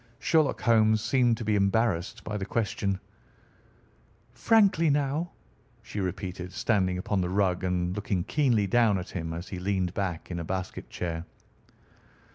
Sherlock Holmes seemed to be embarrassed by the question. "Frankly, now!" she repeated, standing upon the rug and looking keenly down at him as he leaned back in a basket chair.